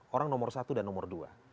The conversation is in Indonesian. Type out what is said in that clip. orang nomor satu dan nomor dua